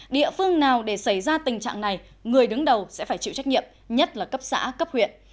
địa phương nào để xảy ra tình trạng này người đứng đầu sẽ phải chịu trách nhiệm nhất là cấp xã cấp huyện